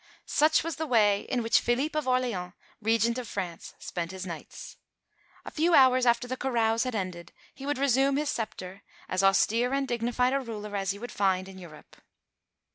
Such was the way in which Philippe of Orleans, Regent of France, spent his nights. A few hours after the carouse had ended he would resume his sceptre, as austere and dignified a ruler as you would find in Europe.